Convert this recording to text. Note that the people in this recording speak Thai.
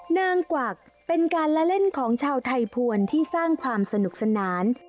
นางกวักเป็นการละเล่นของชาวไทยภวรที่สร้างความสนุกสนาน